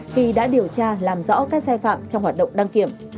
khi đã điều tra làm rõ các sai phạm trong hoạt động đăng kiểm